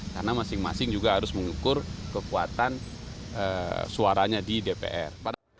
karena masing masing juga harus mengukur kekuatan suaranya di dpr